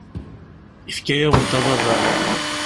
Yefka-yawent abadaṛ.